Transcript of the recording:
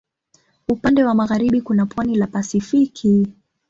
Upande wa magharibi kuna pwani la Pasifiki.